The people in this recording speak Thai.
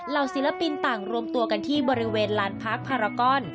เหล่าศิลปินต่างรวมตัวกันที่บริเวณล้านพักภารกร